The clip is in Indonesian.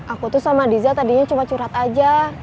aku tuh sama diza tadinya cuma curhat aja